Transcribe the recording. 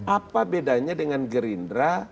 apa bedanya dengan gerindra